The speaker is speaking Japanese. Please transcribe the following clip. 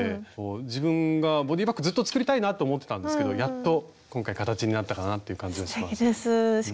自分がボディーバッグずっと作りたいなと思ってたんですけどやっと今回形になったかなっていう感じがします。